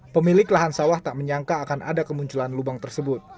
pemilik lahan sawah tak menyangka akan ada kemunculan lubang tersebut